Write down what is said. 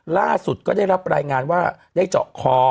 ล่าสุดก็ได้รับรายงานว่าได้เจาะคอ